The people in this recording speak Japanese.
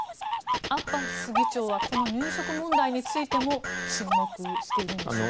アッバス議長はこの入植問題についても沈黙しているんでしょうか。